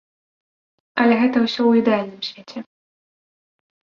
Але гэта ўсё ў ідэальным свеце.